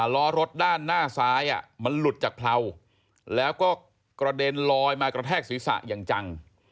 ล้อรถด้านหน้าซ้ายมันหลุดจากเพราแล้วก็กระเด็นลอยมากระแทกศีรษะอย่างจัง